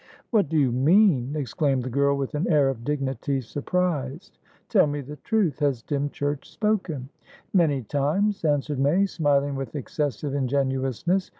"What do you mean!" exclaimed the girl, with an air of dignity surprised. "Tell me the truth. Has Dymchurch spoken?" "Many times," answered May; smiling with excessive ingenuousness.